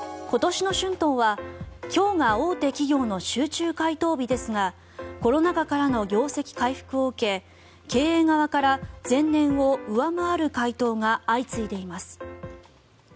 今年の春闘は今日が大手企業の集中回答日ですがコロナ禍からの業績回復を受け経営側から前年を上回る回答が相次いでいます。